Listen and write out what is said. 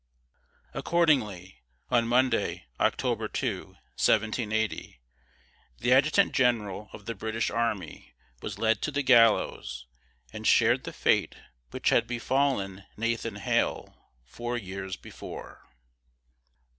Accordingly, on Monday, October 2, 1780, the adjutant general of the British army was led to the gallows, and shared the fate which had befallen Nathan Hale four years before.